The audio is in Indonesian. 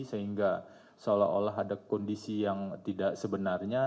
sehingga seolah olah ada kondisi yang tidak sebenarnya